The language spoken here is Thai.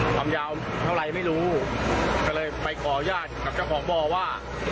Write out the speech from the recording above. ทำยาวเท่าไรไม่รู้ก็เลยไปก่อย่าดกับเจ้าหวังบ่อว่า